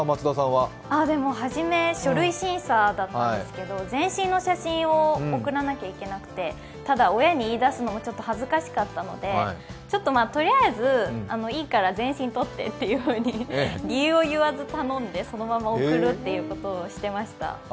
はじめ、書類審査だったんですけど、全身の写真を送らなきゃいけなくてただ、親に言い出すのがちょっと恥ずかしかったので、ちょっととりあえずいいから全身撮ってと理由を言わず頼んで、そのまま送るということをしていました。